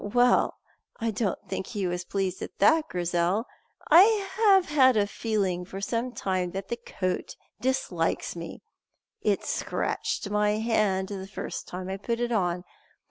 "Well, I don't think he was pleased at that, Grizel. I have had a feeling for some time that the coat dislikes me. It scratched my hand the first time I put it on.